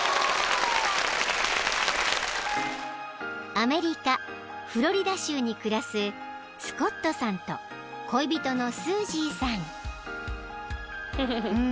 ［アメリカフロリダ州に暮らすスコットさんと恋人のスージーさん］